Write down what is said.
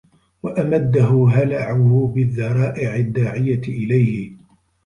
وَأَمَدَّهُ هَلَعُهُ بِالذَّرَائِعِ الدَّاعِيَةِ إلَيْهِ